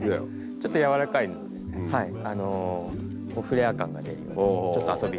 ちょっと柔らかいはいこうフレア感が出るようにちょっと遊び。